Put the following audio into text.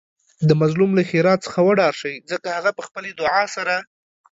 د مظلوم له ښیرا څخه وډار شئ ځکه هغه په خپلې دعاء سره